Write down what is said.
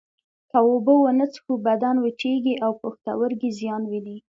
که اوبه ونه څښو بدن وچېږي او پښتورګي زیان ویني